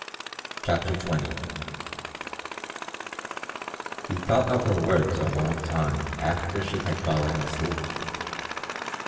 CHAPTER XX He thought of her words a long time after she had fallen asleep.